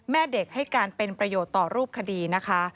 แม่เด็กให้การเป็นประโยชน์ต่อรูปคดีนะคะ